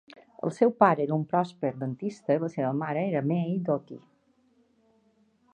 El seu pare era un pròsper dentista i la seva mare era May Doty.